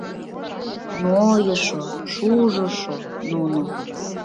Нойышо, шужышо, нуно